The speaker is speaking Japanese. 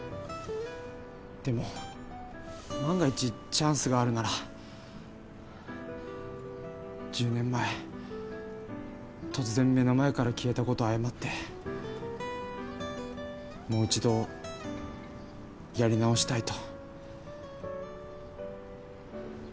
でも万が一チャンスがあるなら１０年前突然目の前から消えたことを謝ってもう一度やり直したいと。